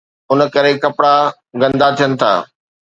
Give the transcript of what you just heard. ان ڪري ڪپڙا گندا ٿين ٿا.